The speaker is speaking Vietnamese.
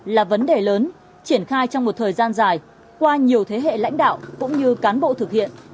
là vấn đề lớn triển khai trong một thời gian dài qua nhiều thế hệ lãnh đạo cũng như cán bộ thực hiện